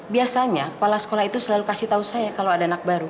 biasanya kepala sekolah itu selalu kasih tahu saya kalau ada anak baru